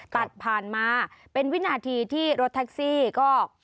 ตัดผ่านมาเป็นวินาทีที่รถแท็กซี่ก็